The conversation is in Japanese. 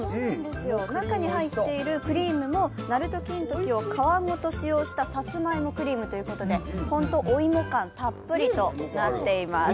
中に入ってるクリームも鳴門金時を皮ごと使用したさつまいもクリームということでほんとお芋感たっぷりとなっています。